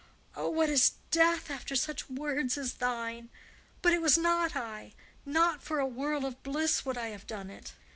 Oh, what is death after such words as thine? But it was not I. Not for a world of bliss would I have done it."